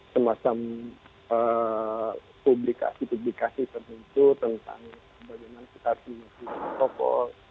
semasa publikasi publikasi tertentu tentang bagaimana kita harus mengutuk protokol